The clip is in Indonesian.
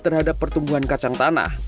terhadap pertumbuhan kacang tanah